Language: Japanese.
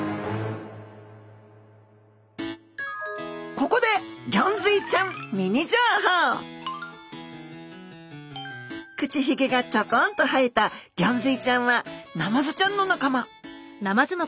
ここで口ヒゲがちょこんと生えたギョンズイちゃんはナマズちゃんの仲間。